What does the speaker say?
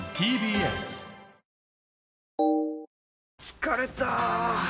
疲れた！